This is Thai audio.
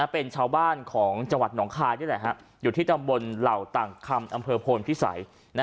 เป็นชาวบ้านของจังหวัดหนองคายนี่แหละอยู่ที่ตำบลเหล่าต่างคำอำเภอโพนพิสัย